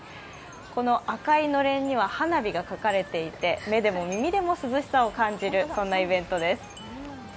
この赤いのれんには花火が描かれていて、目でも耳でも涼しさを感じるそんなイベントです。